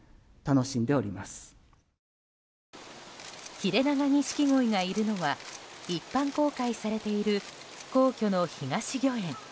ヒレナガニシキゴイがいるのは一般公開されている皇居の東御苑。